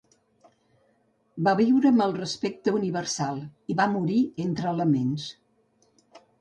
Va viure amb el respecte universal i va morir entre laments.